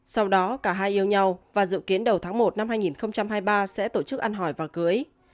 sau đó cả hai yêu nhau và dự kiến đầu tháng một năm hai nghìn hai mươi ba sẽ tổ chức ăn hỏi và cưới